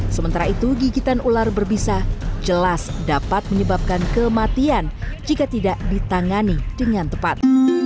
sementara itu gigitan ular berbisa jelas dapat menyebabkan kematian jika tidak ditangani dengan tepat